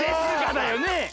だよね。